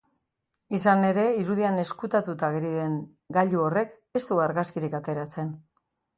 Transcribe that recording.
Izan ere, irudian ezkutatuta ageri den gailu horrek ez du argazkirik ateratzen.